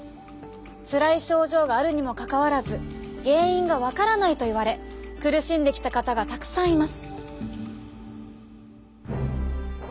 つらい症状があるにもかかわらず原因が分からないと言われ苦しんできた方がたくさんいます。